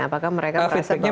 apakah mereka merasa berharga